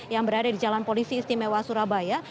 yang berada di jalan polisi istimewa surabaya